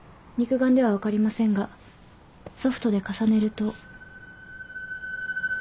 肉眼では分かりませんがソフトで重ねると。